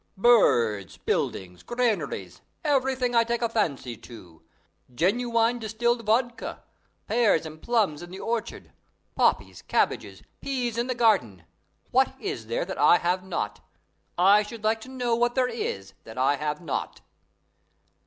Birds, buildings, granaries, everything I take a fancy to; genuine distilled vodka; pears and plums in the orchard; poppies, cabbages, peas in the garden; what is there that I have not? I should like to know what there is that I have not?"